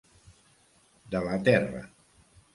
De la terra.